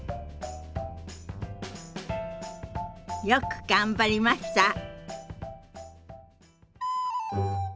よく頑張りました！